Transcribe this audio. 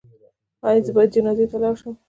ایا زه باید جنازې ته لاړ شم؟